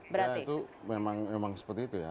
ya itu memang seperti itu ya